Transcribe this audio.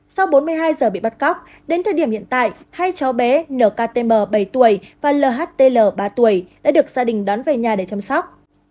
sau bốn mươi hai giờ bị bắt cóc đến thời điểm hiện tại hai cháu bé nktm bảy tuổi và lhtl ba tuổi đã được gia đình đón về nhà để chăm sóc